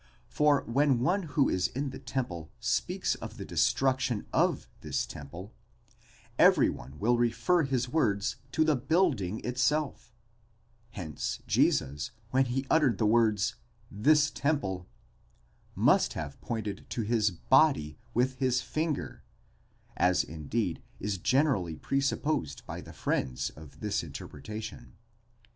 For when one who is in the temple, speaks of the destruction of this temple, every one will refer his words to the building itself Hence Jesus, when he uttered the words, ζῴζς temple, τὸν ναὸν τοῦτον, must have pointed to his body with his finger; as, indeed, is generally presupposed by the friends of this interpretation.?